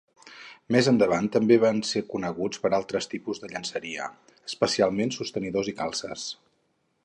Més endavant també van ser coneguts per altres tipus de llenceria, especialment sostenidors i calces.